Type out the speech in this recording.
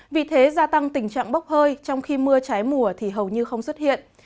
vì thế gia tăng tình trạng bốc hơi trong khi mưa trái mùa thì hầu như không xuất hiện